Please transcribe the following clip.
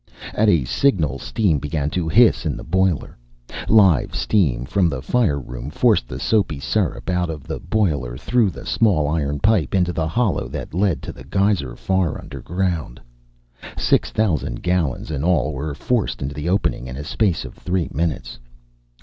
At a signal steam began to hiss in the boiler. Live steam from the fire room forced the soapy sirup out of the boiler, through the small iron pipe, into the hollow that led to the geyser far underground. Six thousand gallons in all were forced into the opening in a space of three minutes.